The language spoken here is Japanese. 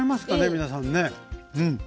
皆さんね。